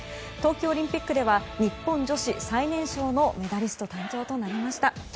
冬季オリンピックでは日本女子最年少のメダリスト誕生となりました。